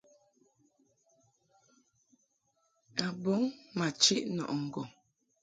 A bɔŋ ma chiʼ nɔʼɨ ŋgɔŋ.